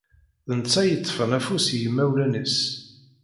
D netta i iṭṭfen afus i yimawlan-is.